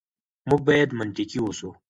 موږ بايد منطقي اوسو.